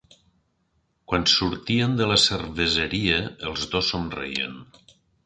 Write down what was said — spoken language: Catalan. Quan sortien de la cerveseria, els dos somreien.